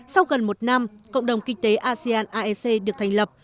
sau gần một năm cộng đồng kinh tế asean aec được thành lập